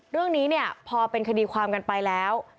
เรื่องนี้เนี่ยพอเป็นคดีความกันไปแล้ว